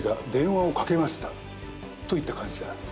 といった感じだ。